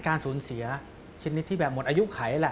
การสูญเสียชนิดที่หมดอายุไข